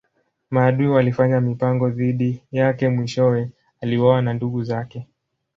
Maadui walifanya mipango dhidi yake mwishowe aliuawa na ndugu zake.